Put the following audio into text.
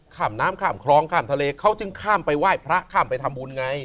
ข้ามน้ำข้ามคลองข้ามทะเลเขาจึงข้ามไปไหว้พระข้ามไปทำบุญไง